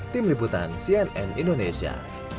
tim liputan cnn indonesia